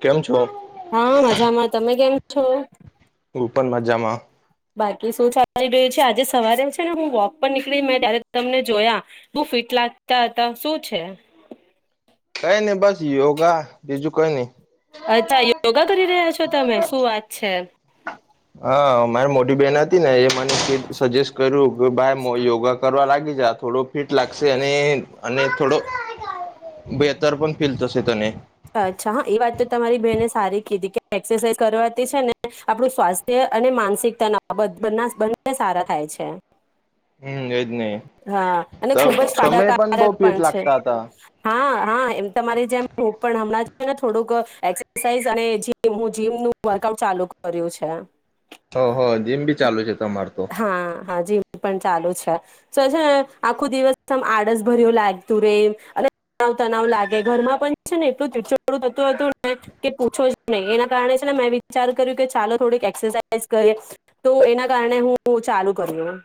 કેમ છો હા મજામાં તમે કેમ છો હું પણ મજામાં. બાકી શું ચલાલી રહ્યું છે આજે સવારે છે ને હું વોક પર નીકળી મે ત્યારે તમને જોયા બો ફિટ લાગતા હતા શું છે? કઈ નઈ બસ યોગા બીજું કઈ નહી. અચ્છા યોગા કરી રહ્યા છો તમે શું વાત છે. હા મારે મોટી બેન જ ને એ મને સજેસ્ટ કર્યું કે ભાઈ યોગા કરવા લા થોડો ફિટ લાગશે અને અને થોડો બેતર પણ ફીલ થશે તને અચ્છા હા એ વાત તો તમારી બેહેને સારી એક્સરસાઇઝ કરવાથી છે ને આપણું સ્વાસ્થ્ય અને માનસિકતાના બ બંને સારા થાય છે હમ એજ ને હા અને ખૂબ જ તમે પણ બહ ફાયદાકારક ફિટ છે લાગતા હતા હા હા એમ તમારી જેમ હું પણ હમણાંને થોડુંક એક્સરસાઇઝ અને જે હું જીમનું વર્કઆઉટ ચાલુ કર્યું છે. હ હ જીમ બી ચાલુ છે તમાર તો. હા હા જી પણ ચાલુ છે છે આખું દિવસમ આડસ ભર્યું લાગતું રે અને ત તણવ લાગે ઘરમાં પણ છે ને એટલુંછોડું થતું હતું કે પૂછો જ નહી એના કારણે છે ને મેં વિચાર કર્યું કે ચાલો થોડીક એક્સરસાાઈઝ કરી તો એના કારણે હું ચાલુ કર્યું.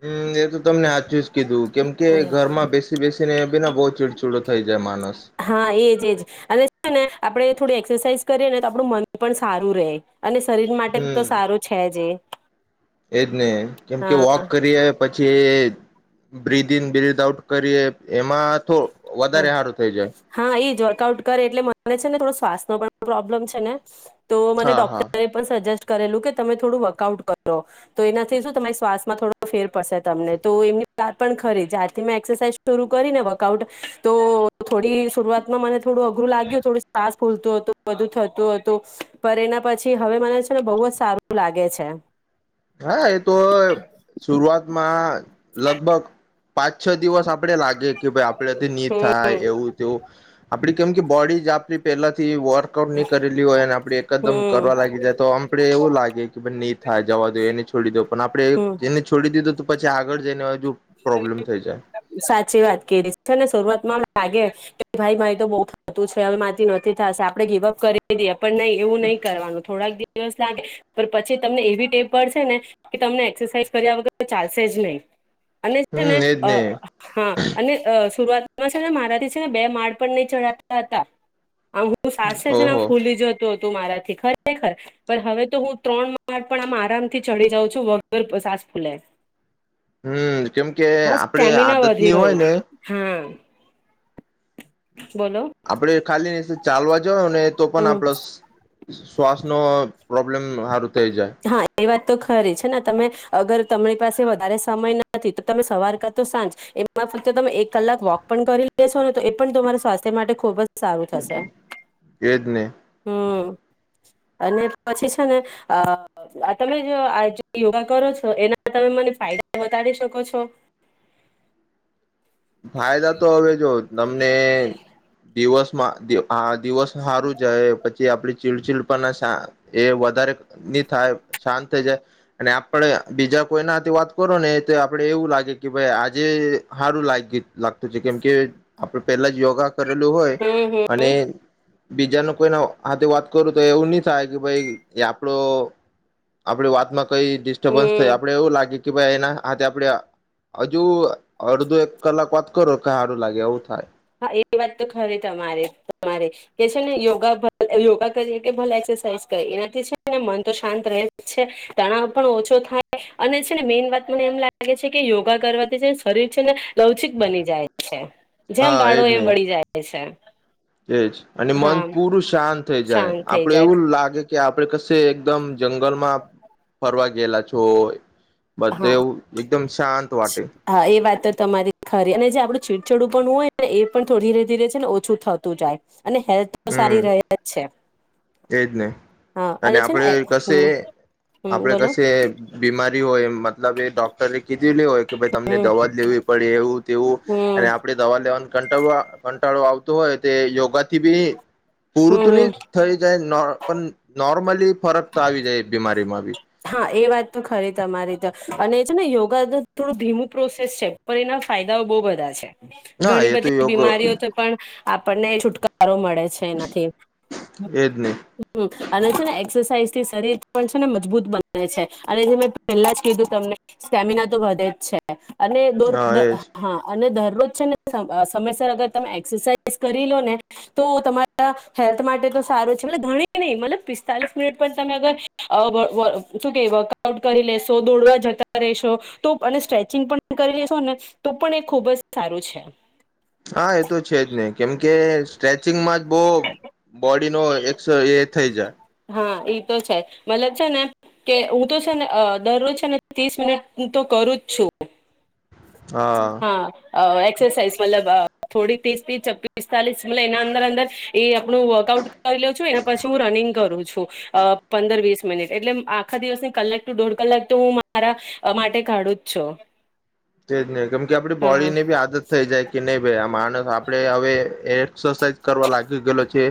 હમ એ તો તમને હાચું જ કીધું કેમ કે ઘરમાં બેસી બેસીને બીને બહુ ચીડચીડો થઈ જાય માનસ હા એજ એજ અને ને આપડે થોડું એક્સરસાઇઝ કરીએ ને તો આપડું મન પણ સારું રહે. અને શરીર માટે તો હમ સારું છે જ એ એજ ને કેમ કે હા વોક કરીએ પછી બ્રિદિન બ્રિથ આઉટ કરીએ એમાં તો હ વધારે સારું થઈ જાય હા એ જ વર્કઆઉટ કરે એટલે મને છે ને થોડો શ્વાસ ન પણ પ્રોબ્લેમ છે ને તો મને હા હા ડોક્ટરે પણ સજેસ્ટ કરેલું કે તમે થોડું વર્કઆઉટ કરો તો એનાથી શું તમારી શ્વાસમાં થોડો ફેર પડશે તમને તો એમની વાતપણ ખરી જ્યારથી મે એક્સરસા શ કરીને વર્કઆઉટ તો થોડી શરૂઆતમાં મને થોડું અઘરું લાગ્યું થોડું સાસ ફૂલતું હતું બધું થતું હતું પણ એના પછી હવે મને છે ને બહુ જ સારું લાગે છે. હા એ તોશુરૂઆત માં લગભગ પાંચ છ દિવસ આપડે લાગે કે ભાઈ અપરાથી ની હમ થાય એવું તેવું આપડી કેમ કે બોડી જ આપ પહેલાથી વોર વકઆઉટ નહીં કરેલી હોય અને આપણે હમ એકદમ કરવા લાગી જાય તો આપડ એવું લાગે કે ભાઈ નહીં થાય. જવા દો એને છોડી દો પણ આપડે હમ એને છોડી દીધું તો પછી આગળ [unintelligible] પ્રોબ્લેમ થઈ જાય સાચી વાત કરી છે શરૂઆતમાં લાગે કે ભાઈ મારી તો બઉ થતું છે હવે માંથી નથી થશે આપણે ગીવઅપ કરી દઈએ પણ નહી એવું નહી કરવાનું થોડાક દિવસ લાગે, પણ પછી તમને એવી ટેપ પડશે ને કે તમને એક્સરસાઇઝ કર્યા વગર ચાલશે જ નહી અને છે ને હમ એજ અ હા અને શુરૂઆત એમાં છે મારાથી છે ને બે માળ પણ નહી ચઢતા હતા. આમ હું સા છે ને ઓહો ફૂલી જતો તો મારાથી ખરેખર હવે તો હું ત્રણ પણ આ આરામથી ચડી જાઉં છું વગર સાસ ફૂલે. હમ કેમ કે હા આપડે સ્ટેમિના આદત વધી ની હોય ગયું ને હા બોલો. [unintelligible] ખાલી ચાલવા. [unintelligible] તો પણ હમ આપ શ્વાસ નો પ્રોબ્લેમ સારું. થઈ જાય હા એ વાત. તો ખરી છે, ને તમે અગર તમારી પાસે વધારે સમય નથી, તો તમે સવાર કરતો સાંજ એમાં ફક્ત તમે એક કલાક વોક પણ કરી લેશો ને, તો એ પણ તમારા સ્વાસ્થ્ય માટે ખુબજ. સારું થશે, એજ ને હમ. અને પછી છેને, અ. આ તમે જો, આ યોગા કરો છો, એના તમે મને ફાયદા વધડી શકો છો. ફાયદા, તો હવે જો જ. તમને એ. દિવસમાં આ દિવસ. સારું જાય, પછી આપડી. ચીલચીડ પણ ના એ વધારે નની થાય શાંત થઈ જાય, અને આપડે બીજા કોઈનાથી વાત, કરો ને આપડે એવું, લાગે કે ભાઈ આજે સારું લાગે. લાગતું છે, કેમ કે આપડે પેલા જ યોગા. કરેલું હોય, હમ અને. હમ બીજા ન કોઈને હાથે, વાત કરું તો એવું નહી થાય, કે ભાઈ આપડો આપડી વાતમાં. કઈ ડિસ્ટર્બન્સ, હમ થાય આપણે એવું લાગે. કે ભાઈ એના, આ તે આપડે હજુ અડધું એક. કલાક વાત, કરો ક સારું લાગે એવું થાય. હા એ વાત તો ખરે તમારે તમારે કે છેને, યોગા યોગા, કરી કે ભલે એક્સરસાઇ કરી એનાથી છેને, મન તો શાંત રહે છે, તણાવ પણ ઓછો થાય અને છેને, મેન વાત મને એમ લાગે છે, કે યોગા કરવાથી છે શરીર છેને. લવચિક, બની જાય છે. જેમ, હા બાાડો એજ એ ને મળી જાય છે. સરાર. એજ અને મન પૂરું શાંત થઈ, જાય શાંત થઈ આપડે એવું જાય લાગે કે. આપડ કશે એકદમ, જંગલમાં ફરવા ગયેલા છો. બધા, હા એવું એકદમ, શાંત વાટે. હા એ વાત તો તમારી ખરી અને જે આપડું છેીડછાડું પણ હોય, ને એ પણ થોું ધીરે ધીરે છે ને ઓછું થતું જાય. અને હેલ્થ, તો સારી રહે જ છે. એ જ નહી, હા અને છે આપણે ને કશે હમ હમ આપણેે બોલો કશે બીમારી. હર, ઓ એમ. મતલબ એ ડોક્ટરે કીધું લેું હોય, કે ભાઈ તમને હમ દવા, જ લેવી પડે એવું તેવું હમ અને આપડે દવા લેવાનું. ઘંટાળો, ઘંટાળો આવતો હોય, તે યોગાથી બી. હમ હમ પૂરતની થઈ જાય નોર્મલી ફરક, તો આવી જાય બીમારી. માં બી. હા એ વાત તો ખરી તમારી તો અને છે ને યોગા તો થોડું ધીમું પ્રોસેસ છે પણ એના ફાયદાઓ બહુ બધા છે. હા ઘણી એ તો બધી યોગ બીમારીઓ તો પણ. આપણને છુટકારો મળ મળે છે એનાથી, એજ નહી હમ્મ અને છે ને એક્સસાઈઝ થી શરીર પણ ને મજબૂત બને છે અને જે મેં પહેલા જ કીધું તમને સ્ટેમિના તો વધે જ છે. અને દોર હા એજ હા અને ધર છેને સમયસર અગર તમે એક્સરસાાઈઝ કરી લો ને તો તમારા હેલ્થ માટે તો સારું છે ઘણી નહી મતલબ પિસ્તાલીસ મિનિટ પણ તમે અગર. આવ શું કે વર્કઆઉટ કરી લેશો દોડવા જતા રહેશો તો અને સ્ટ્રેચિંગ પણ કરી લેશોને તો પણ એ ખૂબ જ સારું છે. હા એ તો છે જ નહી. કેમ કે સ્ટ્રેચિંગમાં જ. બો. બોડી નો એસ એ થઈ જાય. એ તો છે મતલબ છે ને કે હું તો છે ને દરરોજ છે ને ત્રીસ મિનિટ હ તો કરું જ છું. હા હા એક્સરસાાઈઝ મતલબ થોડી. ત્રીસ છવ્વીસ પીસ્તાલીસ મત એના અંદર-અંદર એ આપું વર્કઆઉટ કરી લઉં છું એના પછી હું રનિંગ કરું છું. અ પંદર વીસ મિનિટ એટલે આખા દિવસ કલાક ટુ દોઢ કલાક તો હું મારા માટે કાઢું જ છું. તેજ નહી કેમ કે આપડી બોડી હા ની ભી આદત થઈ જાય કે નહી ભાઈ આ મા. આપડે હવે. એક્સરસાઇઝ કરવા લાગી ગયેલો છે.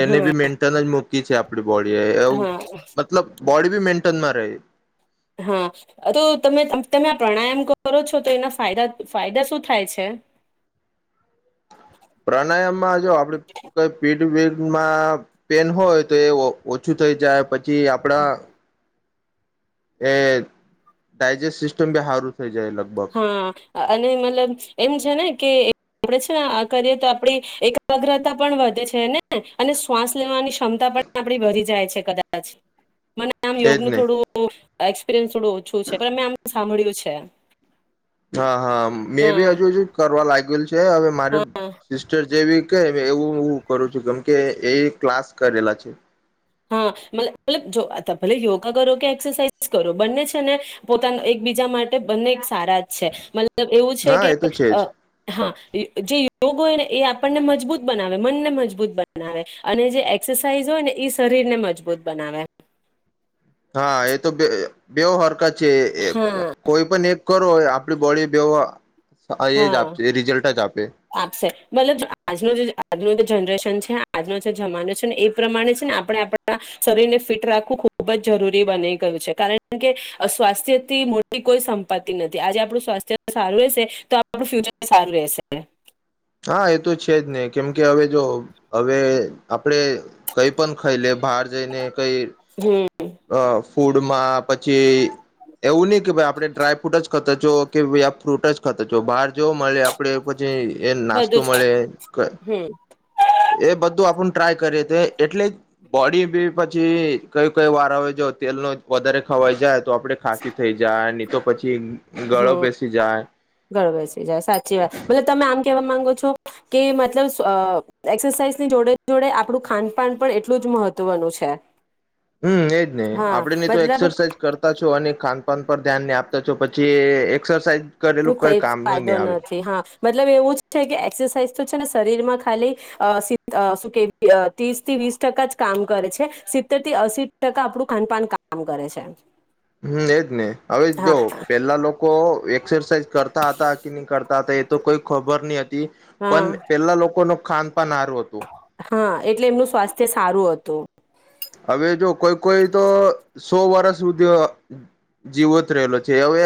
એને હા બી મેન્ટન જ મુક છે આપડ બોડી એવું હા મતલબ બોડી બી મેન્ટેનમાં રહે. હા તો તમે તમે આ પ્રાણાયામ કરો છો તો એના ફાયદા ફાયદા શું થાય છે? પ્રાણાયામ માં જો આપડે કઈ પી પેન હોય તો એ ઓછું થઈ જાય પ કે આપણા એ ડાયજેસ્ટ સિસ્ટમ બી સારું થઈ. જાય લગભગ હા અને મતલબ એમ છે ને કે આપણે છે ને આ કરીએ તો આપણી એકાગ્રતા પણ વધે છે ને અને શ્વાસ લેવાની ક્ષમતા પણ આપણી વધી જાય છે કદાચ. મને આમ એજ યોગનું ને થોડું એક્સપિરિયન્સ થોડું ઓછું છે પણ મે આમ સાંભળ્યું છે હા. હા મે બી હા હજુ હજુ કરવા લાગ્યું છે હવે માર હા સિસ્ટર જેવી કે એવું હ કરું છું કેમ કે એ ક્લાસ કરેલા છે. હાલ જો ભલે યોગા કરો કે એક્સરસાઇઝ કરો બંને છે ને પોતાના એકબીજા માટે બંને સારા જ છે મતલબ મ એવું છે હા કે એ તો છે જ હા જે યોગ હોય ને એ આપણને મજબૂત બનાવે મનને મજબૂત બનાવે અને જે એક્સરસાઇઝ હોય ને શરીર ને મજબૂત બનાવે. હા એ તો બે હરકત જે હા કોઈ પણ એક કરરો હોય આપડી બોડી બેવવા હા આપશે મતલબ આજનું જે આજનું જે જનરેશન તને આજનો જે જમાનો છે ને એ પ્રમાણે છે ને આપણે આપણા શરીર ને ફિટ રાખવું ખુબ જરૂરી બની ગયું છે, કારણ કે સ્વાસ્થ્ય થી મોટી કોઈ સંપત્તિ નથી, આજે આપણું સ્વાસ્થ્ય સારું હશે તો થું ફ્યુચર સારું રહેશે હા એ તો છે જ નહી કેમ કે હવે જો હવે આપડે કઈ પણ ખાઈ લે બહાર જઈને કઈ હમ અ ફૂડમાં પછી એવું નહી કે ભાઇ આપડણે ડ્રાયફ્રૂટ જ ખતા છો કે આ ફ્રૂટ જ ખતા છો બહાર જોવા મળે આપડે પછી એ નાસ્તો બધું જ મળે હમ એ બધું આપણું ટ્રાય કરે તે એટલે જ બોડી બી પછી કય કઈ વાર આવે જો તેલ નો વધારે ખવાઈ જાય. તો આપણેે ખાંસી થઈ જાય. તો પછી. ગળો હું, બેસી જાય ગરૂ‌‌ બેસી જાય સાચી વાત, તમે આમ કેવા કે મતલબ એક્સાઈઝ ની જોડે જોડે આપણું ખાનપાન પણ એટલું જ મહત્વનું છે. હું એજ ને હા આપડે ને તો મતલબ એક્સરસાઇઝ કરતા જ જો અને ખાન પાાન પર ધ્યાન ને આપતા છો, પછી એક્સરસાઇઝ કરેલું તું કઈ કંઈક કામનું ફાયદો નહી આવે નથી હા બત મતલબ એવું છે, કે એક્સરસાઇઝ તો છે, ને શરીર માં ખાલી અ સી શું કે ત્રીસ થી વીસ ટકા જ કામ કરે છે, સિત્તેર થી અસી ટકા આપણું ખાનપાન કામ કરે છે. હમ્મ, એજ ને હવે જો હા પેલા લોકો એક એક્સરસાઇઝ કરતાં હતા, કે નહીં કરતાં હતા, એ તો કોઈ ખબર નહીં. એ પણ હા પેલા લોકોનો ખાન પણ હારૂ હતું. હા, એટલે એમનું સ્વાસ્થ્ય સારું હતું. હવે જો કોઈ- કોઈ તો, સો વર્ષ સુધી, જીવંત રહેલો છે. એ હવે,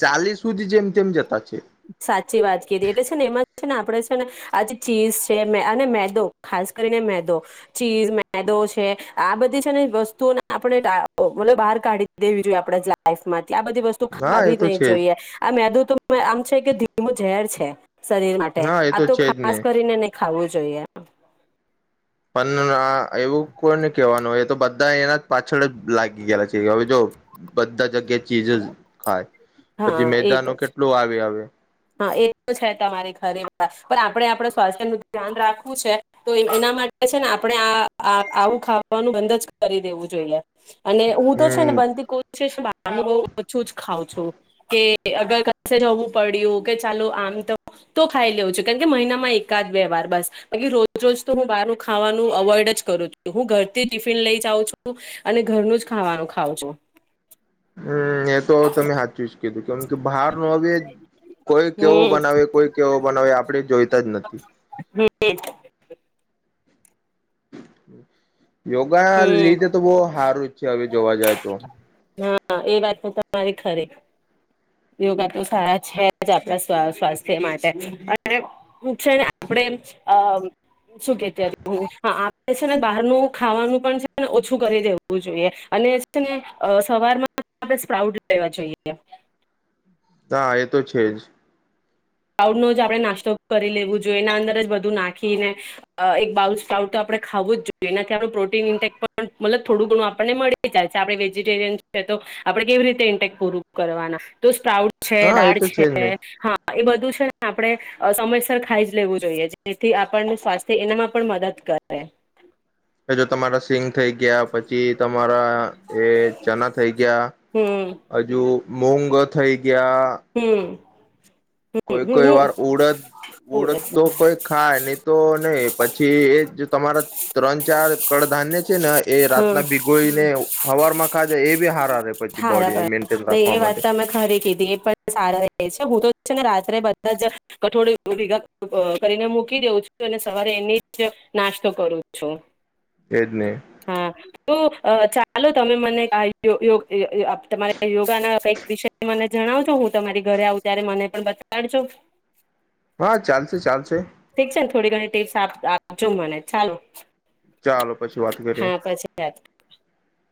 ચાલીસ સુધી જેમ તેમ જતા છે. સાચી વાત કીધી એટલે છે, ને એમાં છે, ને આપડે છે, ને આજે ચીઝ છે, અને મેદો ખાસ કરીને મેદો ચીઝ મેદો છે, આ બધી છે ને વસ્તુઓને આપણે ઢાંકી ભલે બહાર કાઢી દેવી જોઈએ, આપણે લાઈફમાં આ બધી વસ્તુ હા એ ખાવી ન તો નહીં છે જોઈએ, આ મેદુ તો મેં આમ છે કે, ધીમો ઝેર છે. શરીર માટે જ હા એ તો આતો છે જ ખાસ ને કરીને ખાવું જોઈએ. પંદના એવું, કોને કેવાનું હોય તો બધા એન પાછળ લાગી ગઈલા છે. કે હવે, જો બધા જગ્યાથી ચીજ ખાય, પછી હા એ મેદા તો નો છે કેટલો આવે હવે. હા, એતો છે, તમારી ખરી વાત, પણ આપણે આપણ‌ સ્વાસ્થ્ય નું ધ્યાન રાખવું છે, તો એના માટે છે ને આપણે આ આવું ખાવાનું બંધ જ કરી દેવું જોઈએ. અને હુંતો છે, ને હમ બનતી કોઈ છે જ‌ બાર નું ઓછું જ ખાવ છું, કે અગર ક જવું પડ્યું કે ચાલો આમ તો, તો ખાઈ લેઉ છું, કારણકે મહિનામાં એકાદ બે વાર બસકી રોજ- રોજ તો હું બહાર ખાવાનું અવોઈડ જ કરું છું, હું ઘરથી ટિફિન લઈ જાઉં છું, અને ઘરનું જ ખાવાનું ખઉં છું. હમ્મ, એતો તમે હાચુજ કીધું, કેમ કે બહાર ન હવે કોઈ કેવો બનાવે, કોઈ કેવો બનાવે. હવે આપડે જોઈ હમ્મ. હમ્મ. યોગા હમ લીધે તો બહ સારું જ છે હવે જોવા જાય તો હમ હા, એ વાત તો તમારી ખરી, યોગા તો સારા છે જ આપણા સ્વાસ્થ્ય માટે અને છે ને આપણે શું કેતી આપણે છે ને બહારનું ખાવાનું છું ઓછું કરી દેવું જોઈએ અને છે ને સવારમાં સ્પ્રાઉડ લેવા જોઈએ. હા, એતો છેજ. પઉડ નો જ આપણે નાસ્તો કરી લેવો જોઈએ, એના અંદર જ બધું નાખીને એક બાઉલ સ્પ્રાઉટ તો આપણે ખાવુંજ જોઈએ, એનાથી આપણું પ્રોટીન ઇન્ટેક પણ મતલબ થોડું ઘણું આપણને મળી જાય છે. આપણે વેજીિટેરિયન છે, તો આપણે કેવી રીતે ઇન્ટેક પૂરું કરવાના, તો સ્પ્રાઉટ છે, હા એ દાળ તો જ છે, ને હા એ બધું છે ને આપણે સમયસર ખાઈ જ લેવું જોઈએ, જેથી આપણને સ્વાસ્થ્ય એનામાં પણ મદદ કરે. એ જો તમારા સિંગ થઈ ગયા, પછી તમારા એ ચના થઈ ગયા, હમ હજુ મોંઘ થઈ ગ્યા. હમ [inaudible] કોઈ હમ કોઈ વાર હમ ઉડદ ઉડદ ઓળખ. તો કોઈ ખા ન તો નહી પછી એ જો તમારા ત્રણ ચાર કડધાન્ય છે. ને એ હમ રાતના ભીગોઈને હવાર મખા જાય એવી હારા રે પછી બોડી હારબરર મેન્ટેન ન રાખવા એ વાત માટે તો અમે ખરી કીધી એ પણ સારા છે. હું તો છે ને રાત્રે બધા જ કઠોળ ભેગા કરીને મૂકી દઉં છું, અને સવારે એની જ નાસ્તો કરું છું. એજ ને હા તો ચા ચાલો તમે મને કયો તમા યોગા ના કઈક વિષય મને જણાવજો હું, તમારી ઘરે આવું, ત્યારે મને પણ બતાડજો. હા ચાલશે ચાલશે. ઠીક છે, ને થોડી ઘણી ટીપ્સ આપજો મને ચાલો. ચાલો પછી વાત કરીએ. હા [inaudible]